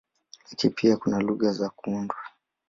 Lakini pia kuna lugha za kuundwa.